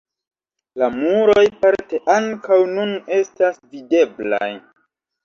La muroj parte ankaŭ nun estas videblaj.